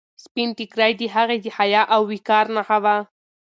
سپین ټیکری د هغې د حیا او وقار نښه وه.